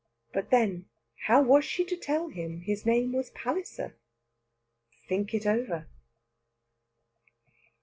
But then, how was she to tell him his name was Palliser? Think it over.